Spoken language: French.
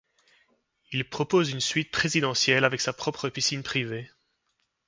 Il propose une suite présidentielle avec sa propre piscine privée.